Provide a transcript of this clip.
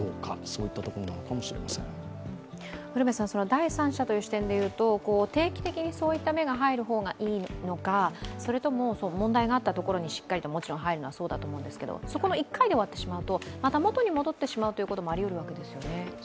第三者という視点でいうと、定期的にそういった目が入る方がいいのかそれとも問題があったところにしっかりと入るのはそうだと思うんですけれども、そこの１回で終わってしまうと、また元に戻ってしまうということもありえるわけですよね？